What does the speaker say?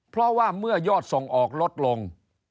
เพราะว่าเมื่อยอดส่งออกลดลง